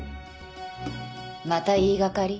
また言いがかり？